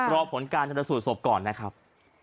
รอผลการสรุปก่อนนะครับ